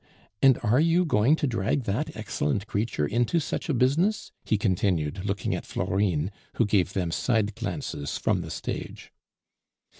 "And are you going to drag that excellent creature into such a business?" he continued, looking at Florine, who gave them side glances from the stage.